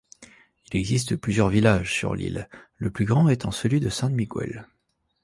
Il existe plusieurs villages sur l'île, le plus grand étant celui de San Miguel.